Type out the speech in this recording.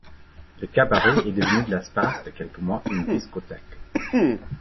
Le cabaret est devenu l'espace de quelques mois une discothèque.